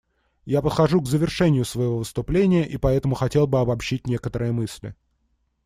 Я подхожу к завершению своего выступления, и поэтому хотел бы обобщить некоторые мысли.